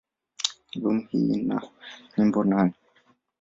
Albamu hii ina nyimbo nane.